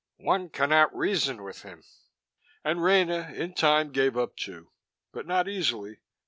"One cannot reason with him." And Rena, in time, gave up, too. But not easily.